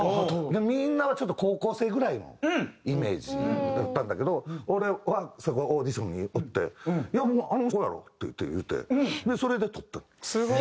でみんなはちょっと高校生ぐらいのイメージだったんだけど俺はそのオーディションにおって「いやもうあの子やろ」って言うてでそれでとったの。